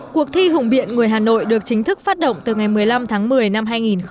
cuộc thi hùng biện người hà nội được chính thức phát động từ ngày một mươi năm tháng một mươi năm hai nghìn một mươi chín